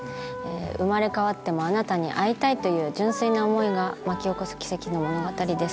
生まれ変わってもあなたに会いたいという純粋な思いが巻き起こす奇跡の物語です。